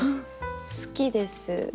好きです。